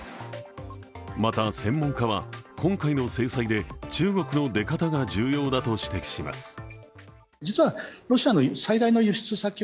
また、専門家は今回の制裁で中国の出方が重要だと指摘します。